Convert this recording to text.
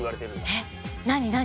えっ何何？